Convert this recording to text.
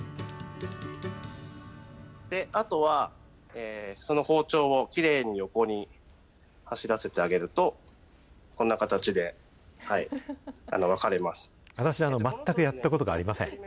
あとはその包丁をきれいに横に走らせてあげると、私、全くやったことがありま